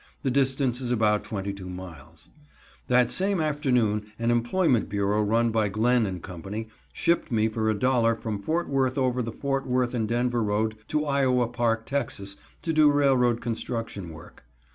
The distance is about 22 miles. That same afternoon an employment bureau run by Glenn & Co. shipped me for $1.00 from Fort Worth over the Fort Worth and Denver Road to Iowa Park, Tex., to do railroad construction work.